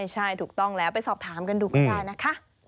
ใช่ถูกต้องแล้วไปสอบถามกันดูก็ได้นะคะ